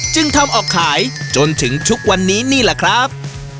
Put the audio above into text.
จึงทำออกขายจนถึงทุกวันนี้นี่แหละครับ